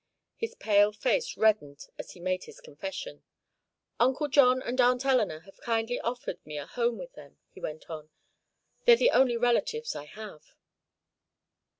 His pale face reddened as he made his confession. "Uncle John and Aunt Eleanor have kindly offered me a home with them," he went on. "They're the only relatives I have."